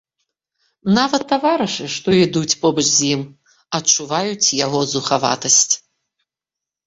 Нават таварышы, што ідуць побач з ім, адчуваюць яго зухаватасць.